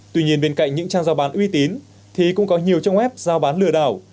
tuy nhiên bên cạnh những trang do bán uy tín thì cũng có nhiều trong web do bán lừa đảo